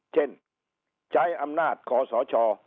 เช่นใช้อำนาจคอสช